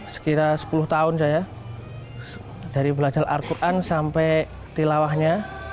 sekitar sepuluh tahun saya dari belajar al quran sampai tilawahnya